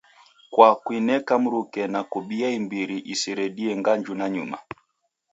Kwa kuineka mruke na kubia imbiri iseredie nganju nanyuma